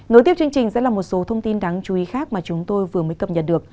nối tiếp chương trình sẽ là một số thông tin đáng chú ý khác mà chúng tôi vừa mới cập nhật được